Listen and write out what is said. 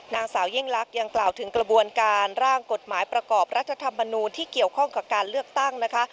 นางสาวยิ่งลักษณ์ยังกล่าวถึงกระบวนการร่างกฎหมายประกอบรัฐธรรมนูลที่เกี่ยวข้องกับการเลือกตั้งนะคะ